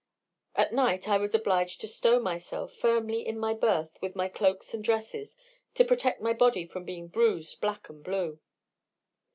At night, I was obliged to "stow" myself firmly in my berth with my cloaks and dresses, to protect my body from being bruised black and blue.